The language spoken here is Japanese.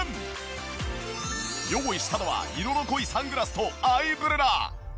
用意したのは色の濃いサングラスとアイブレラ。